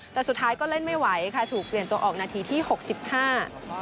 แต่สุดท้ายก็เล่นไม่ไหวค่ะถูกเปลี่ยนตัวออกนาทีที่หกสิบห้า